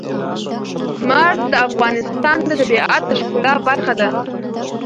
زمرد د افغانستان د طبیعت د ښکلا برخه ده.